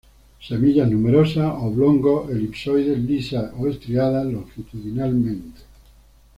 Semillas numerosas, oblongo-elipsoides, lisas o estriadas longitudinalmente.